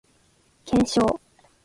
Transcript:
検証